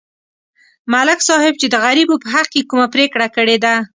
ملک صاحب چې د غریبو په حق کې کومه پرېکړه کړې ده